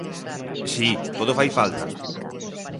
Si, todo fai falta.